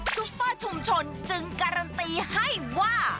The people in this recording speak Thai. ซุปเปอร์ชุมชนจึงการันตีให้ว่า